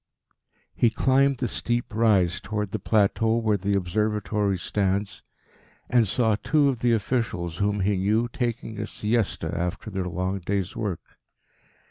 He climbed the steep rise towards the plateau where the Observatory stands, and saw two of the officials whom he knew taking a siesta after their long day's work.